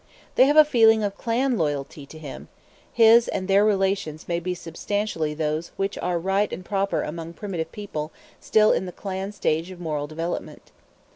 They have a feeling of clan loyalty to him; his and their relations may be substantially those which are right and proper among primitive people still in the clan stage of moral development.